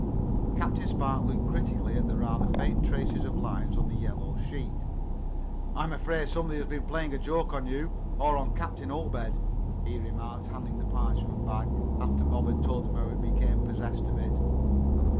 Captain Spark looked critically at the rather faint tracing of lines on the yellow sheet. "I'm afraid somebody has been playing a joke on you, or on Captain Obed," he remarked, handing the parchment back, after Bob had told him how he became possessed of it.